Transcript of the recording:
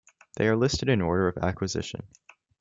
They are listed in order of acquisition.